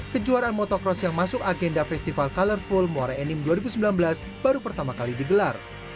kejuaraan motocross yang masuk agenda festival colorful muara enim dua ribu sembilan belas baru pertama kali digelar